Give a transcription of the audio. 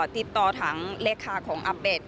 ติดต่อถังเลขคาของอาเป็ด